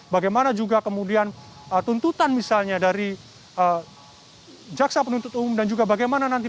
bagaimana juga kemudian tuntutan misalnya dari jaksa penuntut umum dan juga bagaimana nanti